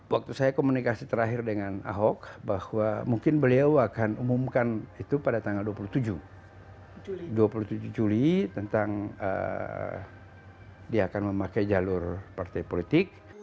waktu saya komunikasi terakhir dengan ahok bahwa mungkin beliau akan umumkan itu pada tanggal dua puluh tujuh juli tentang dia akan memakai jalur partai politik